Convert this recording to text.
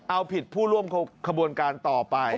เอาผิดผู้ร่วมขบวนการต่อไป